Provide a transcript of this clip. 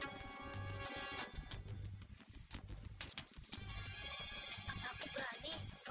apakah dia akan artist juara